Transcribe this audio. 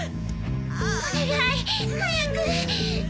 お願い早く。